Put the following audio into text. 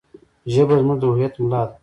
ژبه زموږ د هویت ملا ده.